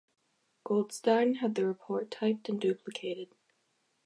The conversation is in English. Goldstine had the report typed and duplicated.